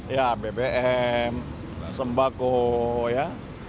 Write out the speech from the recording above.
ya bbm sembako ya